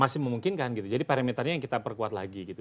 masih memungkinkan gitu jadi parameternya yang kita perkuat lagi gitu